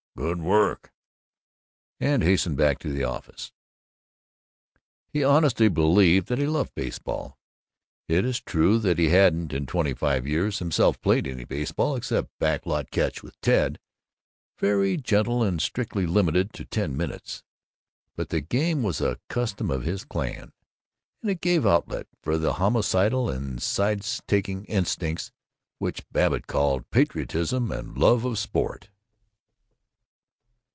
Good work!" and hastened back to the office. He honestly believed that he loved baseball. It is true that he hadn't, in twenty five years, himself played any baseball except back lot catch with Ted very gentle, and strictly limited to ten minutes. But the game was a custom of his clan, and it gave outlet for the homicidal and sides taking instincts which Babbitt called "patriotism" and "love of sport."